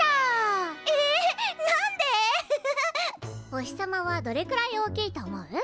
お日様はどれくらい大きいと思う？